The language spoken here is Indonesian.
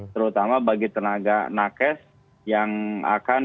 terutama bagi tenaga nakes yang akan